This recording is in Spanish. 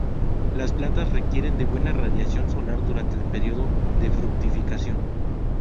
Las plantas requieren de buena radiación solar durante el período de fructificación.